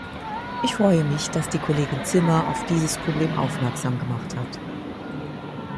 Ich freue mich, dass die Kollegin Zimmer auf dieses Problem aufmerksam gemacht hat.